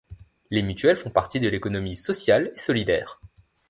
Les mutuelles font partie de l'économie sociale et solidaire.